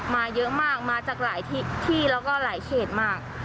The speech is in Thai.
มาเยอะมากมาจากหลายที่แล้วก็หลายเขตมาก